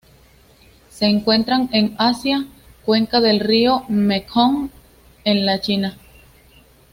Se encuentran en Asia: cuenca del río Mekong en la China.